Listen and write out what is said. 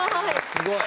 すごい。